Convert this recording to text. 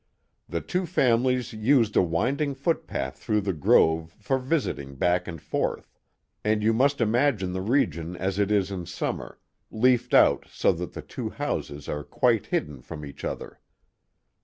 The two families used a winding footpath through the grove for visiting back and forth. And you must imagine the region as it is in summer, leafed out so that the two houses are quite hidden from each other.